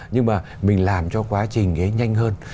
nhưng mà mình làm cho quá trình ấy nhanh hơn